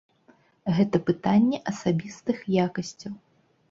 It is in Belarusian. Гэта пытанне асабістых якасцяў.